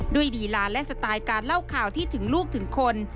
ลีลาและสไตล์การเล่าข่าวที่ถึงลูกถึงคน